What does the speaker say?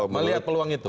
melihat peluang itu